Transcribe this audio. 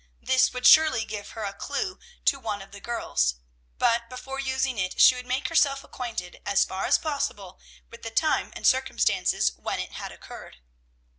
This would surely give her a clew to one of the girls; but, before using it, she would make herself acquainted as far as possible with the time and circumstances when it had occurred.